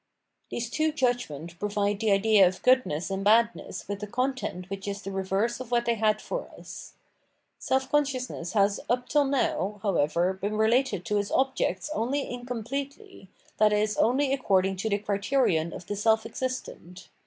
These two judgments provide the ideas of goodness Culture and its Sphere of Reality 505 and badness with a content wHcb is tbe reverse of wbat they bad for us. Self consciousness has up tiU now, however, been related to its objects only incompletely, viz. only according to the criterion of the self existent.